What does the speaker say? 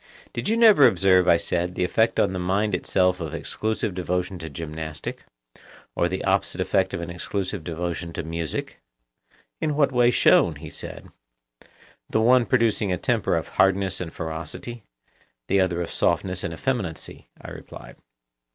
Did you never observe, I said, the effect on the mind itself of exclusive devotion to gymnastic, or the opposite effect of an exclusive devotion to music? In what way shown? he said. The one producing a temper of hardness and ferocity, the other of softness and effeminacy, I replied.